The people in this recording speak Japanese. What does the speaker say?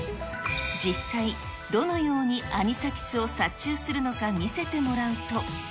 実際、どのようにアニサキスを殺虫するのか、見せてもらうと。